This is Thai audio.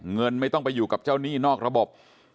เงินไม่ต้องไปอยู่กับเจ้าหนี้นอกระบบ